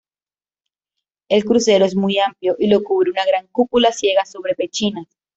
El crucero es muy amplio y lo cubre una gran cúpula ciega sobre pechinas.